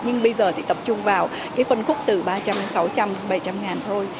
nhưng bây giờ thì tập trung vào cái phân khúc từ ba trăm linh đến sáu trăm linh bảy trăm linh ngàn thôi